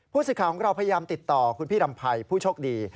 สิทธิ์ของเราพยายามติดต่อคุณพี่รำภัยผู้โชคดี